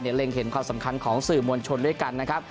เล็งเห็นความสำคัญของสื่อมวลชนด้วยกันนะครับ